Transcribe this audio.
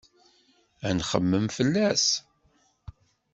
Ad nxemmem fell-as.